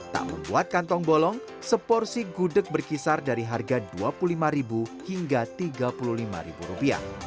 tak membuat kantong bolong seporsi gudeg berkisar dari harga rp dua puluh lima hingga rp tiga puluh lima